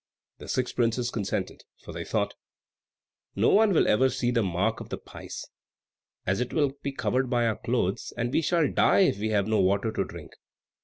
The six princes consented, for they thought, "No one will ever see the mark of the pice, as it will be covered by our clothes; and we shall die if we have no water to drink."